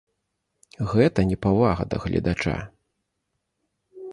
Гэта непавага да гледача!